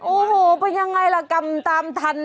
โอ้โหเป็นยังไงล่ะกรรมตามทัน